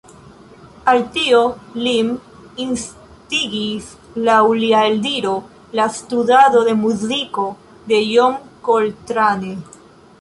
Al tio lin instigis laŭ lia eldiro la studado de muziko de John Coltrane.